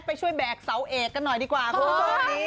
ไปช่วยแบกเสาเอกกันหน่อยดีกว่าคุณผู้ชม